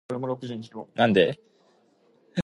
He was enrolled into Govt.